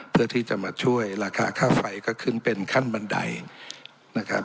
เพื่อที่จะมาช่วยราคาค่าไฟก็ขึ้นเป็นขั้นบันไดนะครับ